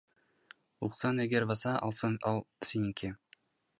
Уксаң, эгер баса алсаң ал сеники.